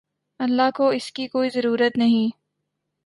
اللہ کو اس کی کوئی ضرورت نہیں